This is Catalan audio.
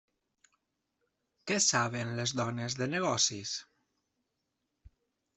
Què saben les dones de negocis?